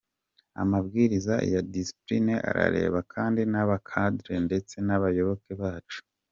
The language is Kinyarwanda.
Amabwiriza ya discipline arareba kandi n’aba cadre ndetse n’abayoboke bacu.